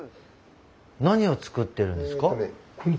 何を作ってるんですか？